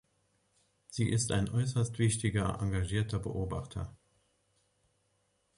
Sie ist ein äußerst wichtiger engagierter Bebachter.